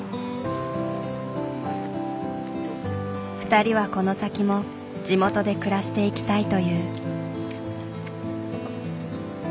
２人はこの先も地元で暮らしていきたいという。